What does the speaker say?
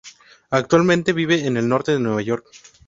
Actualmente vive en el norte de Nueva York.